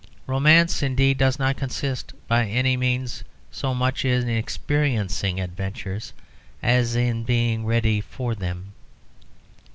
Romance, indeed, does not consist by any means so much in experiencing adventures as in being ready for them.